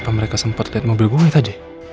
apa mereka sempat lihat mobil gue tadi